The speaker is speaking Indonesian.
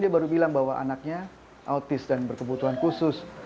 dia baru bilang bahwa anaknya autis dan berkebutuhan khusus